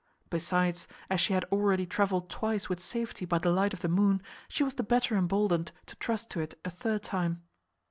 Besides, as she had already travelled twice with safety by the light of the moon, she was the better emboldened to trust to it a third time.